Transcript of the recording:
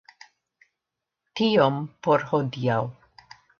Tiom por hodiaŭ.